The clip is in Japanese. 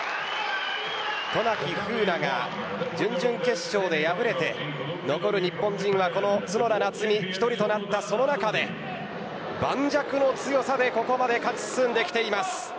渡名喜風南が準々決勝で敗れて残る日本人はこの角田夏実１人となったその中で盤石の強さでここまで勝ち進んできています。